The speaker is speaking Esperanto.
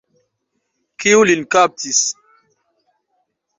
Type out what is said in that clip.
Kiu lin kaptis?